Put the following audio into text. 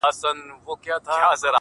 د زړه جيب كي يې ساتم انځورونه ،گلابونه،